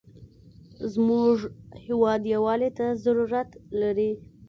زموږ هېواد یوالي ته ضرورت لري.